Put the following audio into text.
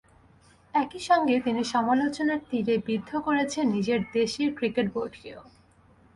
একই সঙ্গে তিনি সমালোচনার তিরে বিদ্ধ করেছেন নিজের দেশের ক্রিকেট বোর্ডকেও।